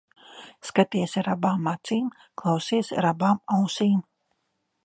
Skaties ar abām acīm, klausies ar abām ausīm.